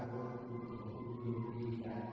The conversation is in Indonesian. sabu untuk ibu ibu kita